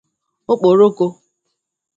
okporoko